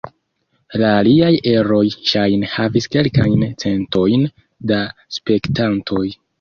La aliaj eroj ŝajne havis kelkajn centojn da spektantoj.